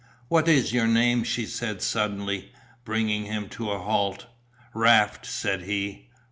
"What is your name?" she said, suddenly, bringing him to a halt. "Raft," said he.